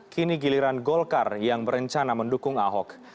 kini giliran golkar yang berencana mendukung ahok